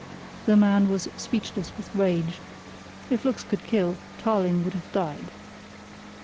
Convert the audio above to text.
The man was speechless with rage. If looks could kill, Tarling would have died.